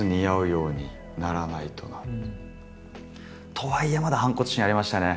とはいえまだ反骨心ありましたね